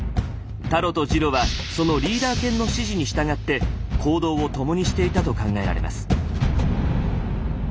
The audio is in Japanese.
タロとジロはそのリーダー犬の指示に従って行動を共にしていたと考えられます。